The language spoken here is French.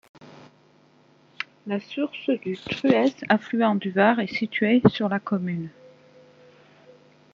La source du Truès, affluent du Var, est situé sur la commune.